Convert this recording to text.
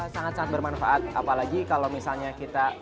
sangat sangat bermanfaat apalagi kalau misalnya kita